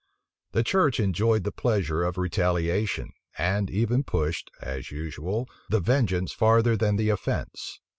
The church enjoyed the pleasure of retaliation; and even pushed, as usual, the vengeance farther than the offence.